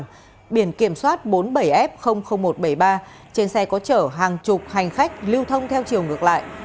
tài xế bị kiểm soát bốn mươi bảy f một trăm bảy mươi ba trên xe có chở hàng chục hành khách lưu thông theo chiều ngược lại